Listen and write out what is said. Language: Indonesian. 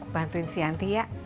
bantuin sianti ya